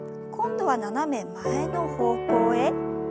今度は斜め前の方向へ。